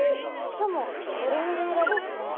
しかもオレンジ色ですね。